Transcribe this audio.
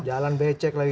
jalan becek lagi kan